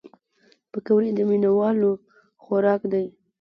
پکورې د مینهوالو خوراک دی